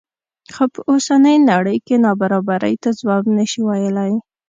خو په اوسنۍ نړۍ کې نابرابرۍ ته ځواب نه شي ویلی.